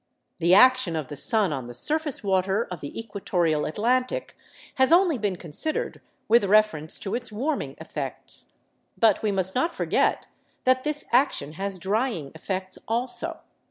The action of the sun on the surface water of the equatorial Atlantic has only been considered with reference to its warming effects. But we must not forget that this action has drying effects also.